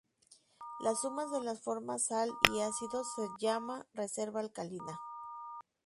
La suma de las formas sal y ácido se llama reserva alcalina.